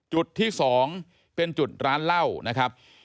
จุดที่๒เป็นจุดร้านเหล้านะครับ